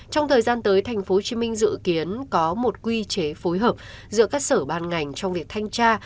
trong thời gian tới tp hcm dự kiến có một quy chế phối hợp giữa các sở ban ngành trong việc thanh tra